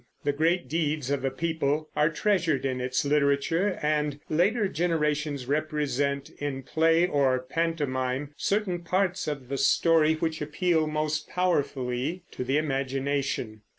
The great deeds of a people are treasured in its literature, and later generations represent in play or pantomime certain parts of the story which appeal most powerfully to the imagination.